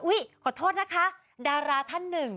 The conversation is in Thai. ขอโทษนะคะดาราท่านหนึ่ง